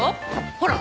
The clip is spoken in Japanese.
ほら！